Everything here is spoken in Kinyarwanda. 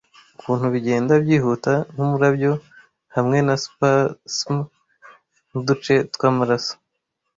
Ukuntu bigenda byihuta nkumurabyo, hamwe na spasms nuduce twamaraso!